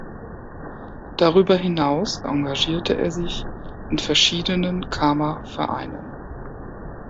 Darüber hinaus engagierte er sich in verschiedenen Chamer Vereinen.